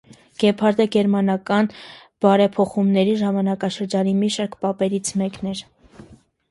Գեբհարդը գերմանական բարեփոխումների ժամանակաշրջանի մի շարք պապերից մեկն էր։